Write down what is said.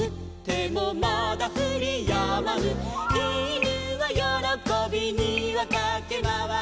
「犬はよろこびにわかけまわり」